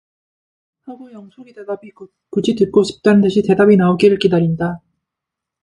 하고 영숙의 대답이 굳이 듣고 싶다는 듯이 대답이 나오기를 기다린다.